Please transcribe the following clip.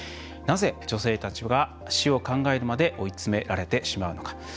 なぜ女性たちは死を考えるまで追い詰められてしまうのか。